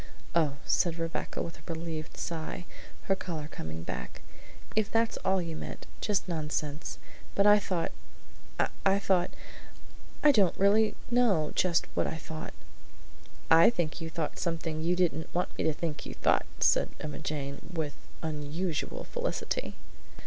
"Oh," said Rebecca with a relieved sigh, her color coming back; "if that's all you meant, just nonsense; but I thought, I thought I don't really know just what I thought!" "I think you thought something you didn't want me to think you thought," said Emma Jane with unusual felicity.